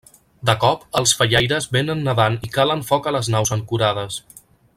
De cop, els fallaires venen nedant i calen foc a les naus ancorades.